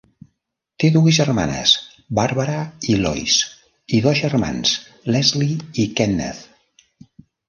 Té dues germanes, Barbara i Lois, i dos germans, Leslie i Kenneth.